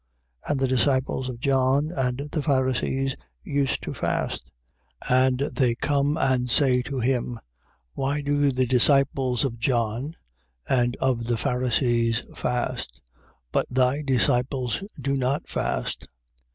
2:18. And the disciples of John and the Pharisees used to fast. And they come and say to him: Why do the disciples of John and of the Pharisees fast; but thy disciples do not fast?